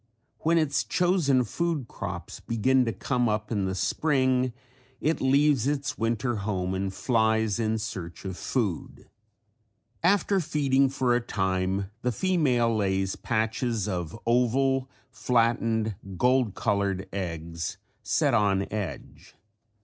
When its chosen food crops begin to come up in the spring it leaves its winter home and flies in search of food. After feeding for a time the female lays patches of oval, flattened, gold colored eggs set on edge.